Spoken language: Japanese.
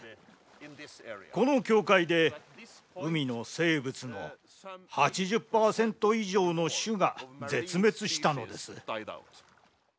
この境界で海の生物の８０％以上の種が絶滅したのです。